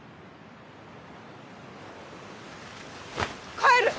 帰る！